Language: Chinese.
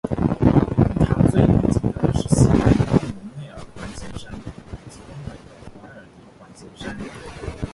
与它最邻近的是西南的布隆内尔环形山以及东北的怀尔德环形山。